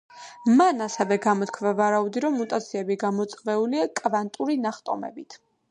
მან ასევე გამოთქვა ვარაუდი, რომ მუტაციები გამოწვეულია „კვანტური ნახტომებით“.